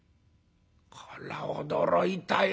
こら驚いたよ。